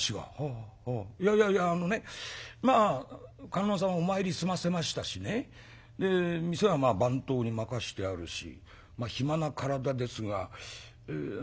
いやいやいやあのねまあ観音様お参り済ませましたしねで店は番頭に任してあるし暇な体ですがあの手間取るような？」。